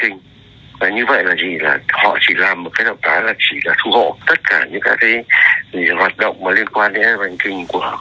như vậy là họ chỉ làm một cái động tác là chỉ là thu hộ tất cả những cái hoạt động mà liên quan đến s s banking của họ